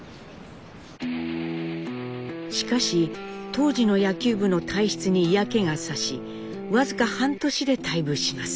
しかし当時の野球部の体質に嫌気がさし僅か半年で退部します。